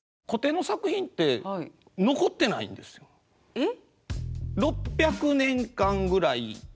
えっ？